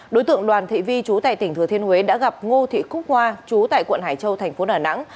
đối tượng đoàn thị vi chú tại tỉnh thừa thiên huế đã gặp ngô thị cúc hoa chú tại quận hải châu thành phố đà nẵng